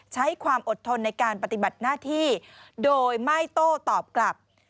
ใช้ความอดทนในการปฏิบัติหน้าที่โดยไม่โต้ตอบกลับ